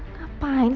ngapain sih kamu